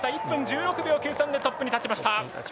１分１６秒９３でトップに立ちました。